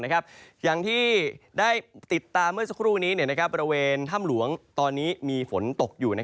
อย่างที่ได้ติดตามเมื่อสักครู่นี้บริเวณถ้ำหลวงตอนนี้มีฝนตกอยู่